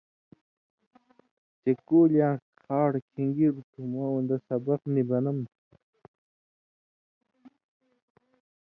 چےۡ کُولیاں کھاڑ کِھن٘گِروۡ تُھو مہ اُن٘دہ سبق نی بنم تُھو۔